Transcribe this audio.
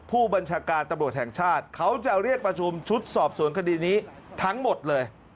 ผู้บัญชาการตำรวจแห่งชาติเขาจะเรียกประชุมชุดสอบสวนคดีนี้ทั้งหมดเลย